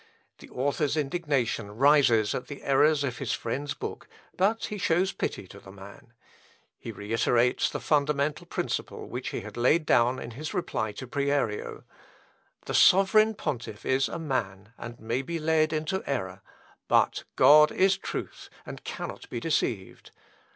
The author's indignation rises at the errors of his friend's book, but he shows pity to the man. He reiterates the fundamental principle which he had laid down in his reply to Prierio: "The sovereign pontiff is a man, and may be led into error; but God is truth, and cannot be deceived."